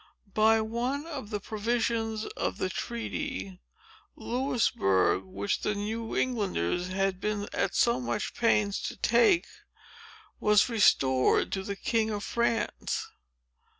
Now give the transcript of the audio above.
By one of the provisions of the treaty, Louisbourg, which the New Englanders had been at so much pains to take, was restored to the king of France.